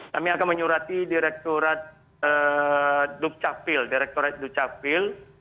kami akan menyurati direkturat dukcapil direkturat dukcapil